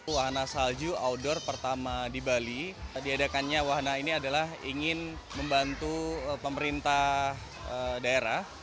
wahana salju outdoor pertama di bali diadakannya wahana ini adalah ingin membantu pemerintah daerah